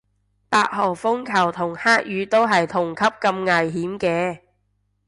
八號風球同黑雨都係同級咁危險嘅